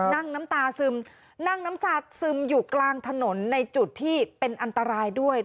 น้ำตาซึมนั่งน้ำตาซึมอยู่กลางถนนในจุดที่เป็นอันตรายด้วย